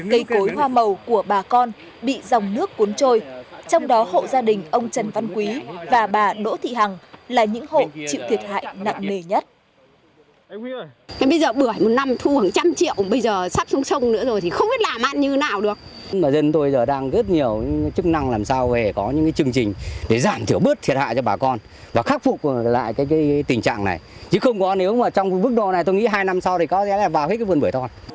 cây cối hoa màu của bà con bị dòng nước cuốn trôi trong đó hộ gia đình ông trần văn quý và bà đỗ thị hằng là những hộ chịu thiệt hại nặng nề nhất